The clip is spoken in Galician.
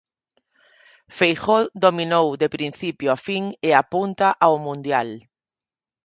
Feijóo dominou de principio a fin e apunta ao mundial.